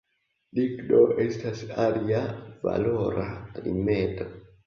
Ligno estas alia valora rimedo.